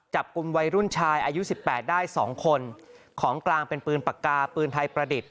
จับกลุ่มวัยรุ่นชายอายุสิบแปดได้สองคนของกลางเป็นปืนปากกาปืนไทยประดิษฐ